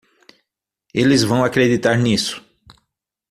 Eles vão acreditar nisso.